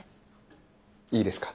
いいですか？